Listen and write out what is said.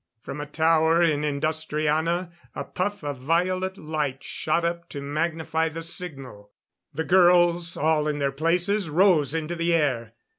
From a tower in Industriana a puff of violet light shot up to magnify the signal. The girls, all in their places, rose into the air.